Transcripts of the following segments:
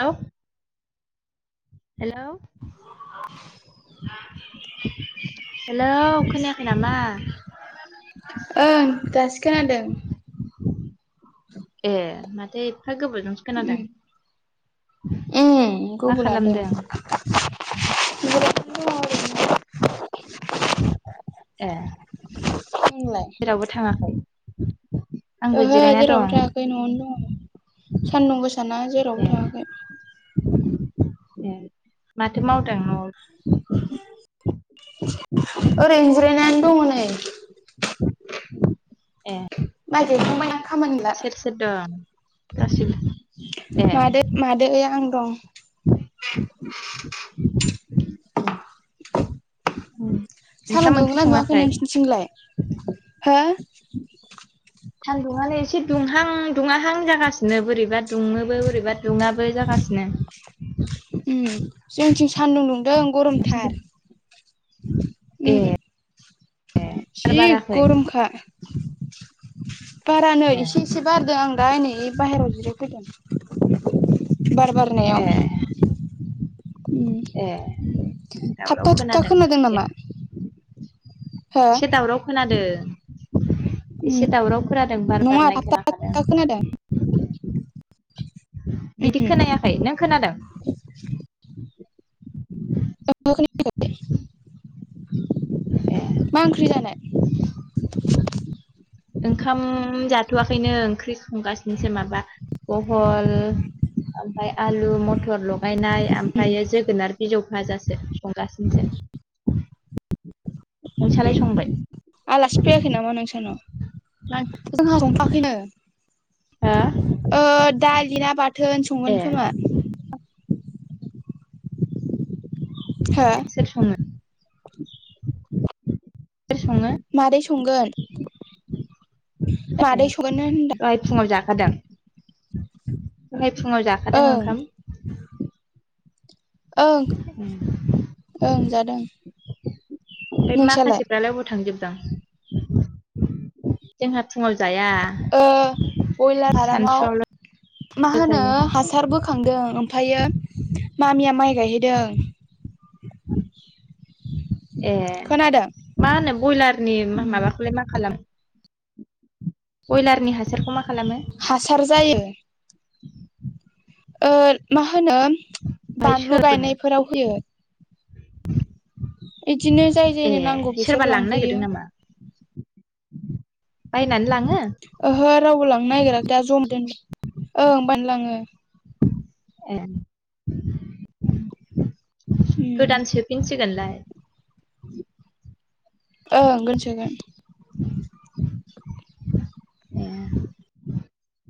हेल' हेल' [unintelligible] hello खोनायाखै नामा? ओं दासो खोनादो। ए माथो एफा गोबावजों खोनादों। उम उम मा गुबुन लादों खालामदों? ए। बुंलाय। जेरावबो थाङाखै आंबो ओहो जिरायना जेरावबो दं थाङाखै न'आवनो दङ सान्दुं गोसाना जेरावबो ए थाङाखै। ए माथो मावदों न'आवलाय? ओरैनो जिरायनानै दङ नै। ए। माइ गायखांबायना? खामानि गैला सोर सोर दं गसिबो ए मादै मादै आं दं । उम। सालोन ओंखाम ओंख्रि दुंदोंना दुङाखै सङाखै नोंसिरनिथिंलाय? हो? सान्दुंआनो एसे दुंहां दुङाहां जागासिनो बोरैबा दुङोबो बोरैबा दुङाबो जागासिनो। उम जोंनिथिं सान्दुं दुंदों गरमथार। ए उम जि बार बाराखै गरमखा। बारा नै ए एसे एसे बारदों आं दा ओइनै बाहेराव जिरायफैदों [inaudible] बार ए बारनायाव। ए थाबथा दावराव थुबथा खोनादों ओंखायसो। नामा हो एसे दावराव खोनादों एसे दावराव खोनादों बार बार नङा नाय थाबथा खोनाखादों। थुबथा खोनादों बिदि खोनायाखै नों खोनादों? [unintelligible] ए। मा ओंख्रि जानाय? ओंखाम जाथ'आखैनो ओंख्रि संगासिनोसो माबा भहल ओमफाय आलु मथर ल गायनाय ओमफ्रायो जोगोनार बिजौ भाजासो संगासिनोसो। नोंसालाय संबाय? आलासि फैयाखै नामा नोंसानाव? मा ओंख्रि जोंहा संथ'आखैनो। हा? ओ दालि ना बाथोन ए संगोन खोमा। हो ए सोर सङो? सोर सङो मादै संगोन। ए मादै संगोन होनदो। दहाय फुङाव जाखादों दहाय फुङाव जाखादों ओं ओंखाम। ओं उम ओं जादों। ओमफ्राय नोंसालाय माखासेफ्रालाय बहा थांजोबदां? जोंहा फुङाव जाया। ओ बयलार फारामाव सानसुआवल' मा होनो जायो हासारबो बोखांदों ओमफायो मामिया माइ गायहैदों। ए खोनादों मा होनो बयलारनि मा माबाखौलाय मा खालाम बयलारनि हासारखौ मा खालामो? हासार जायो। ओ मा होनो ओमफ्राय सोर बानलु लाङो गायनायफोराव होयो। इदिनो जाय ए जायनो नांगौ बिसोर सोरबा लांनो लांफैयो नागिरदों नामा? बायनानै लाङो? ओहो रावबो लांनो नागिराखै दा ज' दोन ओं बायनानै लाङो। ए उम गोदानसो। फिनसिगोनलाय। ओंं गोन सोगोन। ए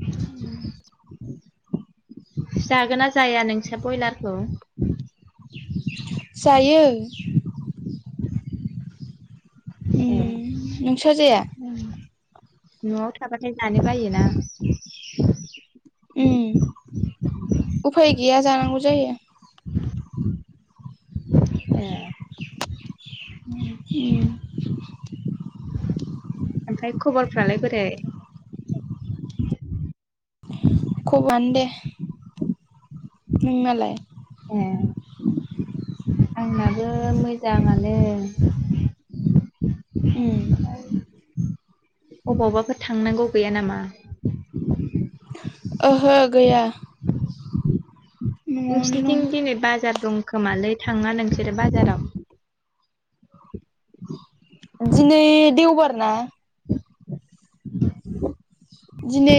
[inaudible] जागोन ना जाया नोंस्रा ब्रयलारखौ [inaudible] जायो। [inaudible] ओ ए नोंस्रा जाया न'आव थाबाथाय जानो बायोना उफाय गैया जानांगौ जायो [unintelligible] उम ओमफ्राय खबरफ्रालाय बोरै खबनो दे नोंनालाय ए आंनाबो मोजाङानो उम अबावबाफोर थांनांगौ गैया नामा? ओहो गैया न'आवनो नोंसोरनिथिं दिनै बाजार दंखोमालै थाङा नोंसोरो बाजाराव दिनै देवबार ना [unintelligible] दिनै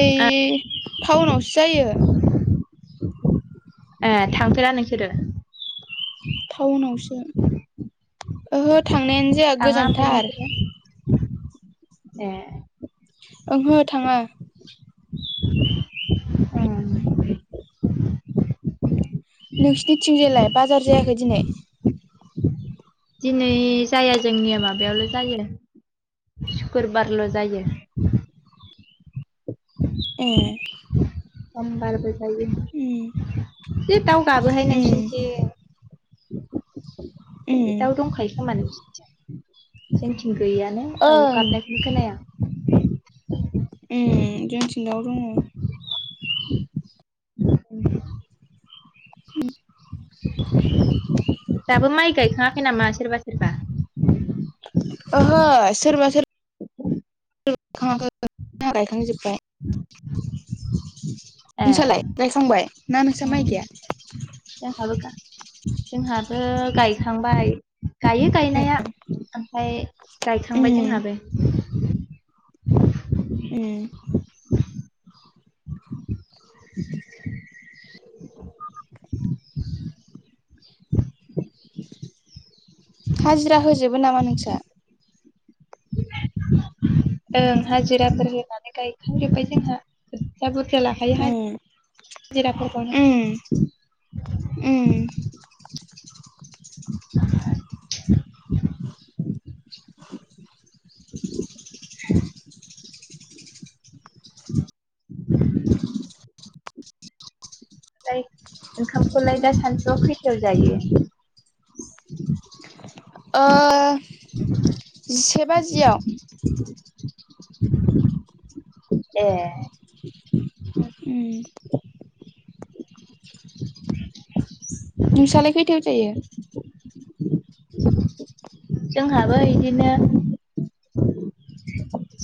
टाउनावसो जायो [inaudible] ए थांफेरा नोंसोरो टाउनावसो ओहो थांनायानो जाया थाङा ओमफ्राय गोजानथार नोंसोरो ए ओंहो थाङा ओं नोंसोरनि थिंजायलाय बाजार जायाखै दिनै दिनै जाया जोंनिया माबायावल' जायो सुक्रुबारल' जायो ए खम बारबो जायो उम जि दाउ गाबोहाय उम नोंसिनिथिं उम दाउ दंखायो खोमा नोंसिनिथिं जोंथि गैयानो दाउ ओं गाबनायखौनो खोनाया जोंथिङाव दङ [inaudible] दाबो माइ गायखाङाखै नामा सोरबा सोरबा ओहो सोरबा सोरबा गायखांजोबबाय ए नोंसालाय गायखांबाय ना नोंस्रा माइ गाया जा हाबा जोंहाबो गायखांबाय गायो गायनाया ओमफ्राय गायखांबाय उम जोंहाबो उम हाजिरा होजोबो नामा नोंस्रा [inaudible] ओं हाजिराफोर होनानै गायखांजोबबाय जोंहा खुरथिया बुरजा लाखायो उम हाजिरा जिराफोरखौ न' ओम [unintelligible] ओंखामखौलाय दा सानसुआव खैथायाव जायो ओ जिसे बाजियाव [unintelligible] ए [unintelligible] [unintelligible] [inaudible] [unintelligible] नोंसलाय खैथायाव जायो जोंहाबो बिदिनो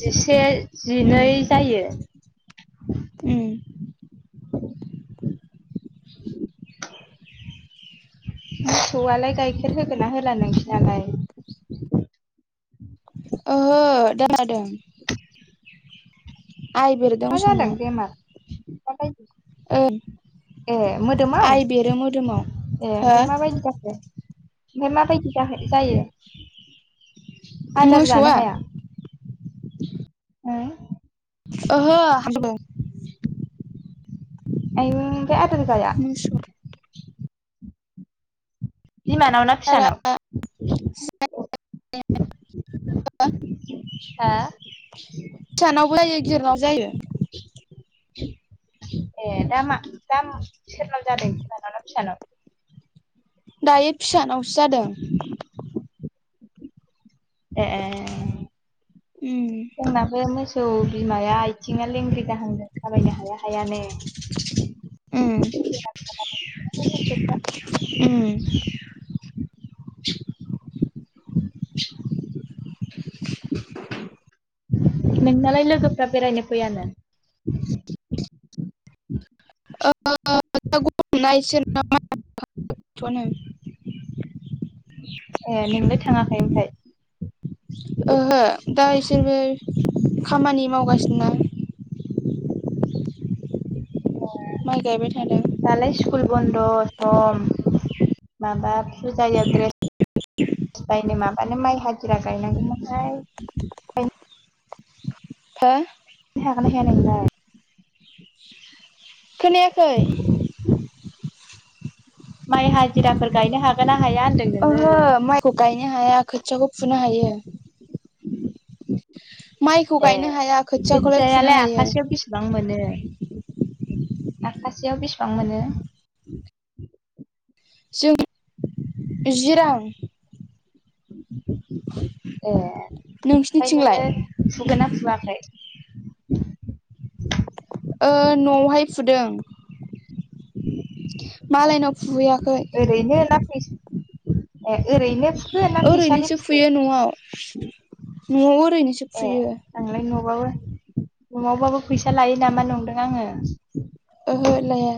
जिसे उम जिनै जायो उम मोसौआलाय गाइखेर होगोन ना होला नोंसोरनाालाय दोनादों [inaudible] बेरदों मा जादों मोसौनाव बेमार माबायदि ओ ए मोदोमाव मोदोमाव ए हो ओमफ्राय माबायदि जाखो ओमफफ्राय माबायदि जायो आदार जानो मोसौआ हाया ओहो ह द आयो आमफाय आदार जाया मसुर बिमानाव ना फिसानाव हा फिसानावबो जायो गिरनाव जायो [inaudible] ए दामा दाम सेरनाम जादों फिसानावा फिसानाव दायो फिसाानावसो जादों ए उम जोंनाबो मोजां औ बिमाया आथिं लेंग्रि दाहां थाबायनो हाया हायानो उम नोंनालाय लोगोफ्रा बेरायनो फैयानो [inaudible] आ द गस [unintelligible] अनो ए नोंनो थाङाखै ओमफ्राय ओहो दा इसोरबो खामानि मावगासिनोना [inaudible] माइ गायबाय थादों दालाय स्कुल बन्द सम माबा फुजायाव द्रेस बायनो माबानो माइ हाजिरा गायनांगौमोनहाय हो हागोना हाया नोंलाय खोनायाखै माइ हाज हिराफोर गायनो हागोन ना हाया होनदों ओहो नोङो माइखौ गायनो हाया खोथियाखौ फुनो हायो माइखौ ए गायनो हाया खोथियाखौलाय फुनो खोथियालाय हायो आखासे बिस बेसेबां मोनो आाखासेयाव बेसेबां मोनो जों जिरां ए ओमफ्राय नोंसिनिथिंलाय नोङो फुगोन ना फुवाखै न'आवहाय फुदों मालायनाव फुहैयाखै ओरैनो ना फैस ए ओरैनो [unintelligible] फैसानि ओरैनोसो फुखो फुयो न'आव न'आव ओरैनोसो ए फुयो आंलाय न'बाबो न'आवबाबो फैसा लायो नामा नंदों आङो ओहदलाया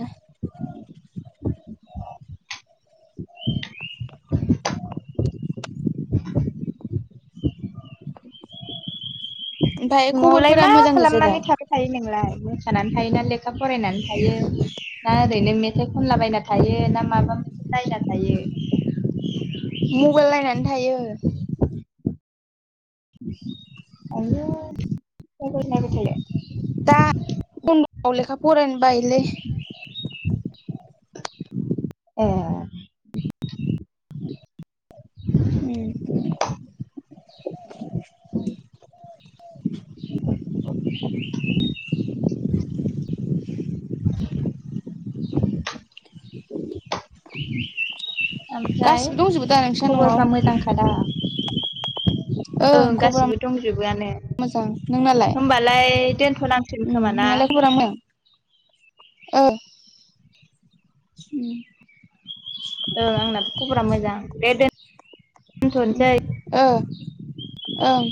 ओमफाय न'आवलाय खबरफोरा मा मोजां गोजा दा खालामनानै थाबाय थायो नोंलाय मोसानानै थायोना लेखा फरायनानै थायो ना ओरैनो मेथाइ खनलाबायायना थायो ना माबा मोनसे नायना थायो मबाइल नायनानै थायो आ बे थ [unintelligible] दान्दआव लेखा फरायनो बायोलै [unintelligible] ए द उ ओमफ्राय गासिबो दंजोबो दा नोंस्रा खबरफ्रा न'आव मोजांखाादा ओं गाससिबो दंजोबोआनो मोजां नोंनालाय होमबालाय दोनथ'नांसिगोन खोमा ना नोंनालाय खबरा मोजां औ उ ओं आंनाबो खबरा मोजां दे उम दोनथ'नोसै ओ ओं